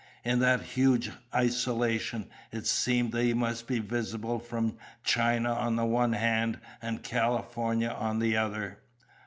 In that huge isolation, it seemed they must be visible from China on the one hand and California on the other.